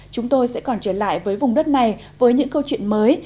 chúng tôi sẽ còn trở lại với vùng đất này với những câu chuyện mới